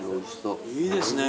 いいですね。